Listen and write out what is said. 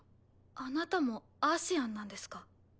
あなたもアーシアンなんですか？